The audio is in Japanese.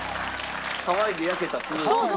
ハワイで焼けたスヌーピー。